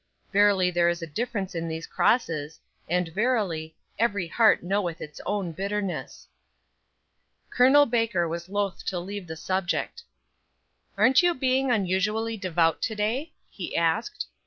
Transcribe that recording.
Verily there is a difference in these crosses, and verily, "every heart knoweth its own bitterness." Col. Baker was loth to leave the subject: "Aren't you being unusually devout to day?" he asked.